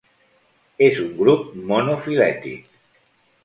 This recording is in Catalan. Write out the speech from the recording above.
És un grup monofilètic.